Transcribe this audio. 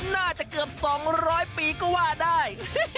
น่าจะเกือบสองร้อยปีก็ว่าได้